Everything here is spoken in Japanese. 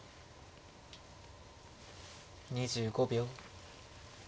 ２５秒。